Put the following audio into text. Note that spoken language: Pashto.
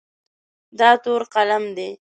دا تور قلم دی.